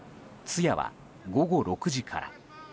通夜は午後６時から。